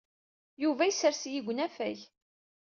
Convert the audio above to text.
Yuba yessers-iyi deg unafag.